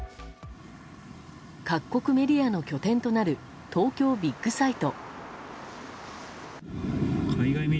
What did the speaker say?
各国メディアの拠点となる東京ビッグサイト。